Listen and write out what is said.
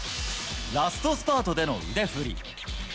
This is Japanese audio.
ラストスパートでの腕振り。